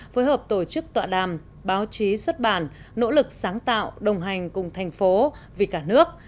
phối hợp tổ chức tọa đàm báo chí xuất bản nỗ lực sáng tạo đồng hành cùng thành phố vì cả nước